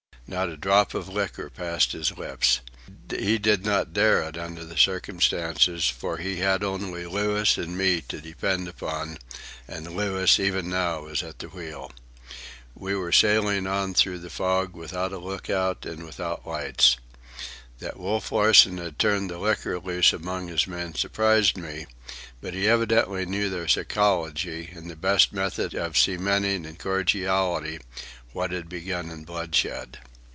Not a drop of liquor passed his lips. He did not dare it under the circumstances, for he had only Louis and me to depend upon, and Louis was even now at the wheel. We were sailing on through the fog without a look out and without lights. That Wolf Larsen had turned the liquor loose among his men surprised me, but he evidently knew their psychology and the best method of cementing in cordiality, what had begun in bloodshed.